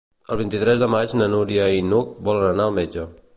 El vint-i-tres de maig na Núria i n'Hug volen anar al metge.